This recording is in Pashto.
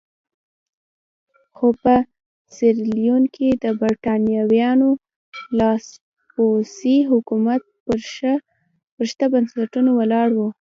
خو په سیریلیون کې د برېټانویانو لاسپوڅی حکومت پر شته بنسټونو ولاړ وو.